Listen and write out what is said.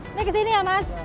ini kesini ya mas